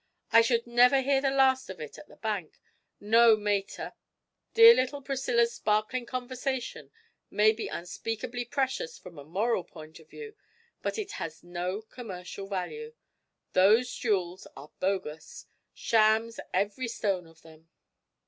I should never hear the last of it at the bank. No, mater, dear little Priscilla's sparkling conversation may be unspeakably precious from a moral point of view, but it has no commercial value. Those jewels are bogus shams every stone of them!'